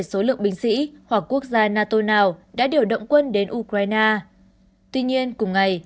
số lượng binh sĩ hoặc quốc gia nato nào đã điều động quân đến ukraine tuy nhiên cùng ngày